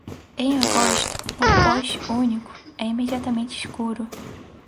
Em agosto, no post único, é imediatamente escuro.